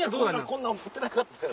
こんなん思ってなかったやろ？